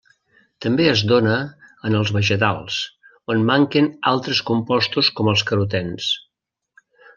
També es dóna en els vegetals, on manquen altres compostos com els carotens.